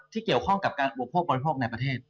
ที่เกี่ยวข้องกับการอุปโภคบริโภคในประเทศ